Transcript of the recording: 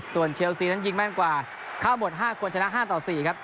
ส่วนเชลซีนั้นยิงแม่นกว่าเข้าหมด๕คนชนะ๕ต่อ๔ครับ